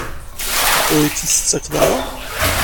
Ur iyi-tt-id-tettakeḍ ara?